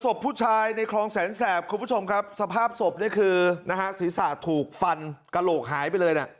ศพผู้ชายในคลองแสนแสบคุณผู้ชมครับสภาพศพนี่คือนะฮะศีรษะถูกฟันกระโหลกหายไปเลยนะ